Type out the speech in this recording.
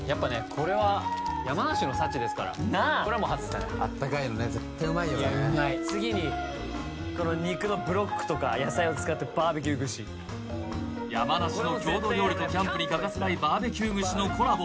これは山梨の幸ですからなあいやうまい次にこの肉のブロックとか野菜を使ってバーベキュー串山梨の郷土料理とキャンプに欠かせないバーベキュー串のコラボ